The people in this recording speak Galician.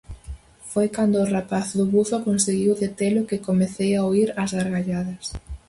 Foi cando o rapaz do buzo conseguiu detelo que comecei a oír as gargalladas.